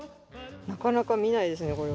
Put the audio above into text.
なかなか見ないですね